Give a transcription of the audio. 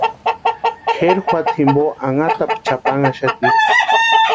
Kʼeri juata jimpo anhatapu chʼapanhaxati.